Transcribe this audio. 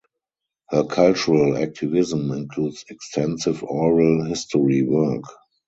Her cultural activism includes extensive oral history work.